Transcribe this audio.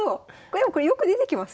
でもこれよく出てきますよね。